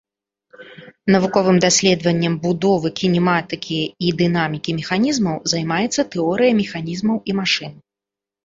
Навуковым даследаваннем будовы, кінематыкі і дынамікі механізмаў займаецца тэорыя механізмаў і машын.